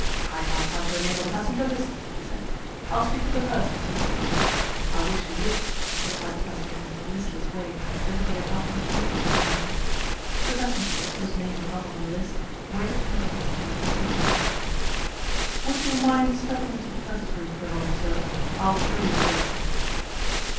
"I can't find your name on the passenger list," he said. "I'll speak to the purser, sir." "I wish you would," replied the passenger in a listless way, as if he had not much interest in the matter. The passenger, whose name was not on the list, waited until the steward returned. "Would you mind stepping into the purser's room for a moment, sir? I'll show you the way, sir."